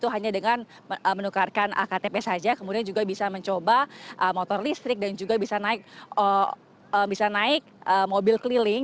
hanya dengan menukarkan ktp saja kemudian juga bisa mencoba motor listrik dan juga bisa naik mobil keliling